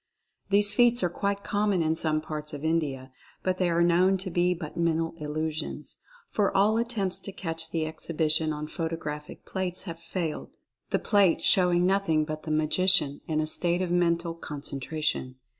These feats are quite common in some parts of India, but they are known to be but mental illusions, for all attempts to catch the exhibi tion on photographic plates have failed, the plate show ing nothing but the magician in a state of mental con 164 Mental Fascination centration.